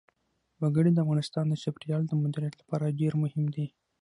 وګړي د افغانستان د چاپیریال د مدیریت لپاره ډېر مهم دي.